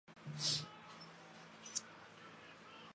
而日清贸易研究所是在他死后设立的东亚同文书院的前身。